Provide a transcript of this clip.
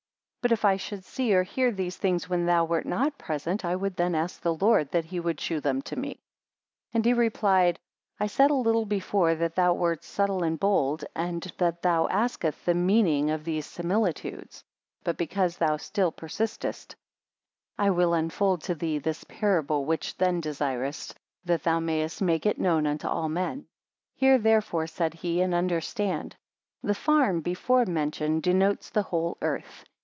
42 But if I should see or hear these things when thou wert not present, I would then ask the Lord that he would chew them unto me. 43 And he replied, I said a little before that thou wert subtle and bold, in that thou asketh the meaning of these similitudes. 44 But because thou still persistest, I will unfold to thee this parable which then desirest, that thou mayest make it known unto all men. 45 Hear, therefore, said he, and understand. The farm before mentioned denotes the whole earth.